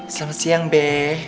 selamat siang be